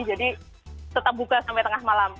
jadi tetap buka sampai tengah malam